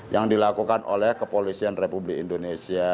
yang dilakukan oleh kepolisian republik indonesia